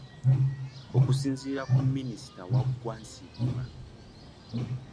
Okusinziira ku Minisita Waggwa Nsibirwa.